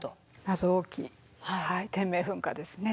謎多き天明噴火ですね。